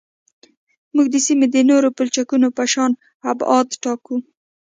موږ د سیمې د نورو پلچکونو په شان ابعاد ټاکو